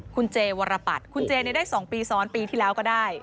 คุณเจวรปัตรคุณเจได้๒ปีซ้อนปีที่แล้วก็ได้